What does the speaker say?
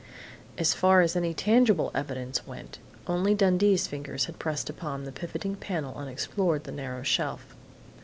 So far as any tangible evidence went, only Dundee's fingers had pressed upon the pivoting panel and explored the narrow shelf.